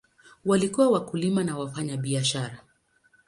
Walikuwa wakulima na wafanyabiashara.